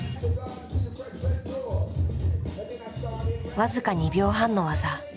僅か２秒半の技。